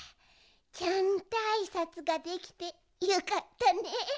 ちゃんとあいさつができてよかったね。